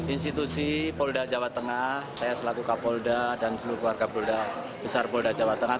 institusi polda jawa tengah saya selaku kapolda dan seluruh keluarga besar polda jawa tengah